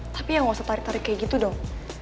tapi ya gausah tarik tarik kayak gitu dong